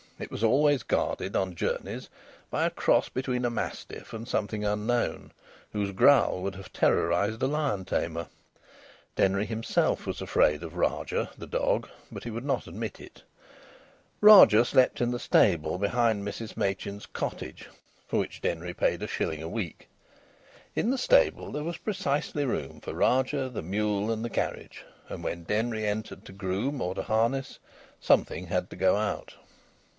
It was always guarded on journeys by a cross between a mastiff and something unknown, whose growl would have terrorised a lion tamer. Denry himself was afraid of Rajah, the dog, but he would not admit it. Rajah slept in the stable behind Mrs Machin's cottage, for which Denry paid a shilling a week. In the stable there was precisely room for Rajah, the mule and the carriage, and when Denry entered to groom or to harness, something had to go out.